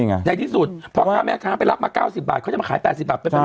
ในที่สุดพ่อค้าแม่ค้าไปรับมา๙๐บาทเขาจะมาขาย๘๐บาทไม่ได้อยู่แล้ว